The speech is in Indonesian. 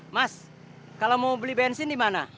mas kalau mau beli bensin di mana